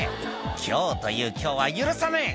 「今日という今日は許さねえ！」